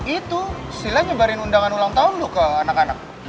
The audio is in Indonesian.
itu sila nyebarin undangan ulang tahun loh ke anak anak